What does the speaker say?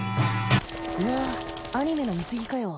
うわアニメの見すぎかよ